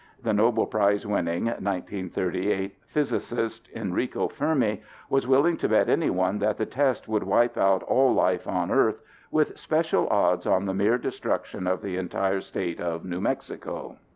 The Nobel Prize winning (1938) physicist Enrico Fermi was willing to bet anyone that the test would wipe out all life on Earth, with special odds on the mere destruction of the entire State of New Mexico!